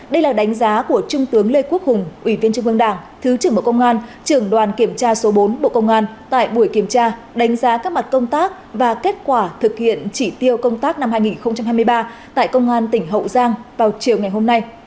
đây là đánh giá của trung tướng lê quốc hùng ủy viên trung ương đảng thứ trưởng bộ công an trưởng đoàn kiểm tra số bốn bộ công an tại buổi kiểm tra đánh giá các mặt công tác và kết quả thực hiện chỉ tiêu công tác năm hai nghìn hai mươi ba tại công an tỉnh hậu giang vào chiều ngày hôm nay